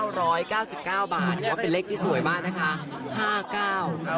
หรือว่าเป็นเลขที่สวยมากนะคะ